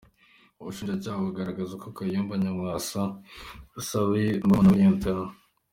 Ubushinjacyaha bugaragaza ko Kayumba Nyamwasa yasabye murumuna we Lt.